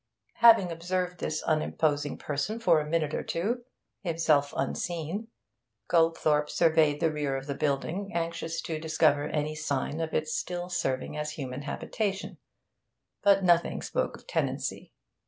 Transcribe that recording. Having observed this unimposing person for a minute or two, himself unseen, Goldthorpe surveyed the rear of the building, anxious to discover any sign of its still serving as human habitation; but nothing spoke of tenancy.